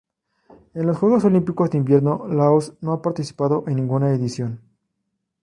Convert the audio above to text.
En los Juegos Olímpicos de Invierno Laos no ha participado en ninguna edición.